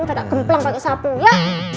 udah nggak gemplang pakai sapu ya